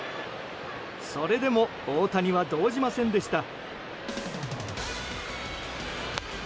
それでも大谷は動じませんでした。